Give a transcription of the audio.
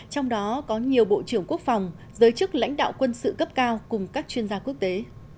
trong đó có nhiều bộ trưởng quốc phòng giới chức lãnh đạo quân sự cấp cao cùng các chuyên gia quốc tế